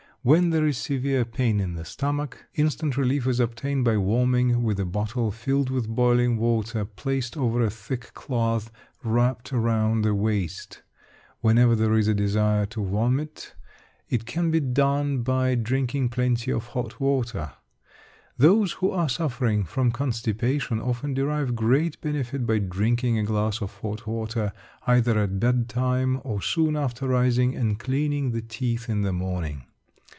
When there is severe pain in the stomach, instant relief is obtained by warming with a bottle filled with boiling water placed over a thick cloth wrapped round the waist. Whenever there is a desire to vomit, it can be done by drinking plenty of hot water. Those who are suffering from constipation often derive great benefit by drinking a glass of hot water either at bedtime or soon after rising and cleaning the teeth in the morning.